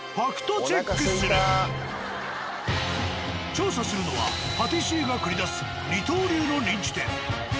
調査するのはパティシエが繰り出す二刀流の人気店。